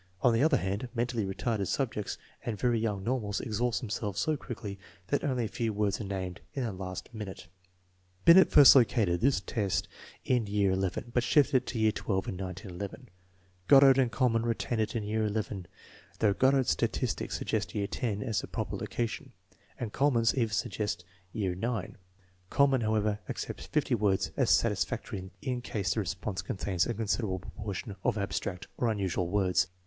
On the other hand, mentally retarded subjects and very young normals exhaust themselves so quickly that only a few words are named in the last min ute. Binet first located this test hi year XI, but shifted it to year XII in 1911. Goddard and Kuhlmann retain it in year XI, though Goddard's statistics suggest year X as the TEST NO. X, ALTEBNAUVE 2 277 proper location, and Kuhlmann's even suggest year IX. Kuhlmanh, however, accepts fifty words as satisfactory in case the response contains a considerable proportion of abstract or unusual words.